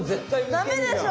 ダメでしょ！